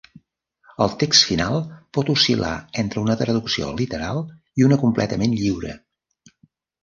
El text final pot oscil·lar entre una traducció literal i una completament lliure.